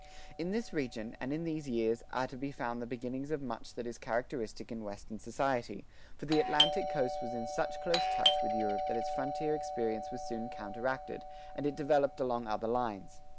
"[68:1] In this region, and in these years, are to be found the beginnings of much that is characteristic in Western society, for the Atlantic coast was in such close touch with Europe that its frontier experience was soon counteracted, and it developed along other lines.